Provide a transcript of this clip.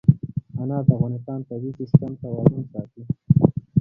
انار د افغانستان د طبعي سیسټم توازن ساتي.